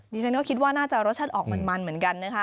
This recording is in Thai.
ดิฉันก็คิดว่าน่าจะรสชาติออกมันเหมือนกันนะคะ